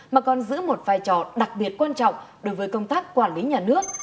mà còn giữ một vai trò đặc biệt quan trọng đối với công tác quản lý nhà nước